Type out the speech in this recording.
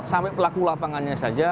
sampai pelaku lapangannya saja